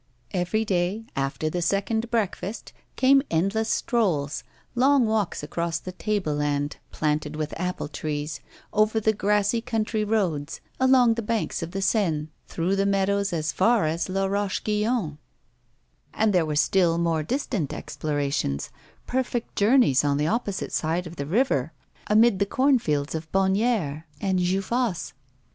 Every day, after the second breakfast, came endless strolls, long walks across the tableland planted with apple trees, over the grassy country roads, along the banks of the Seine through the meadows as far as La Roche Guyon; and there were still more distant explorations, perfect journeys on the opposite side of the river, amid the cornfields of Bonnières and Jeufosse.